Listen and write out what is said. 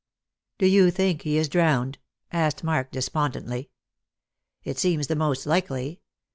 " Do you think he is drowned? " asked Mark despondently. "It *eems the most likely.